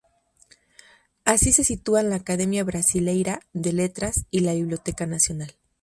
Ahí se sitúan la ""Academia Brasileira de Letras"" y la ""Biblioteca Nacional"".